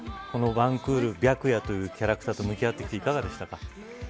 このワンクール白夜というキャラクターと向き合っていかがでしたか。